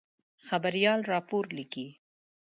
خبریال راپور لیکي.